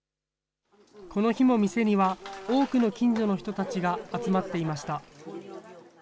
この日も店には、多くの近所の人たちが集まっていました。